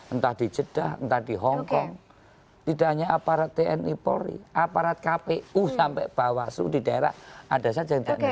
entah di jeddah entah di hongkong tidak hanya aparat tni polri aparat kpu sampai bawaslu di daerah ada saja yang tidak netra